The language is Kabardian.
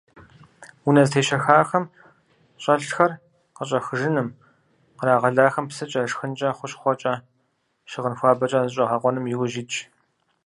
Унэ зэтещэхахэм щӀэлъхэр къыщӀэхыжыным, кърагъэлахэм псыкӀэ, шхынкӀэ, хущхъуэкӀэ, щыгъын хуабэкӀэ защӀэгъэкъуэным иужь итщ.